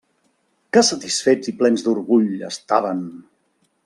Que satisfets i plens d'orgull estaven!